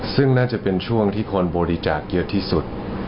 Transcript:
ซึ่งน่าจะเป็นช่วงที่คนบริจาคเยอะที่สุด